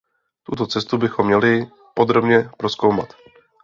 Tuto cestu bychom měli podrobně prozkoumat.